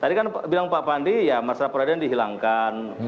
tadi kan bilang pak pandi ya masalah peradilan dihilangkan